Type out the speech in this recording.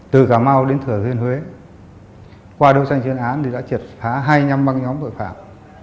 từ cà mau đến thừa duyên huế qua đấu tranh chuyên án thì đã triệt phá hai mươi năm bằng nhóm tội phạm